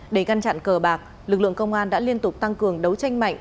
để ngăn chặn cờ bạc lực lượng công an đã liên tục tăng cường đấu tranh mạnh